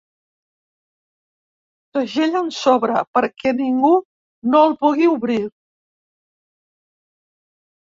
Segella un sobre perquè ningú no el pugui obrir.